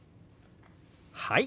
はい！